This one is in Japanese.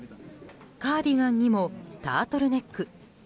カーディガンにもタートルネック。